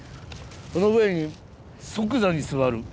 その上に即座に座る。